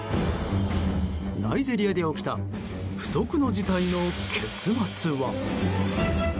ナイジェリアで起きた不測の事態の結末は？